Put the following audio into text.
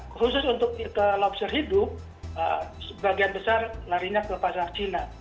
khusus untuk lobster hidup sebagian besar larinya ke pasar cina